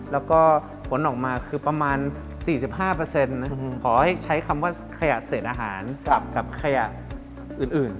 แล้วก็ผลออกมาคือประมาณ๔๕ขอให้ใช้คำว่าขยะเศษอาหารกับขยะอื่น